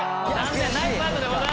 ナイスファイトでございます。